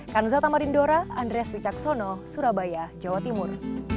kan zatamarin dora andreas wicaksono surabaya jawa timur